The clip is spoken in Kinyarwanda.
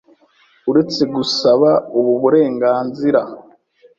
Uretse gusaba ubu burenganzira